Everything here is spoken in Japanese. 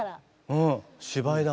うん芝居だ。